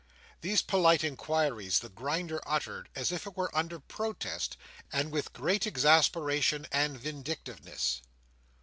These polite inquiries the Grinder uttered, as it were under protest, and with great exasperation and vindictiveness.